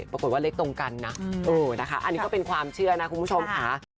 ปรากฏว่าเลขตรงกันนะเออนะคะอันนี้ก็เป็นความเชื่อนะคุณผู้ชมค่ะ